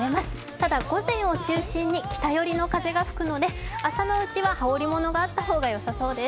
ただ、午前を中心に北寄りの風が吹くので朝のうちは、羽織りものがあった方がよさそうです。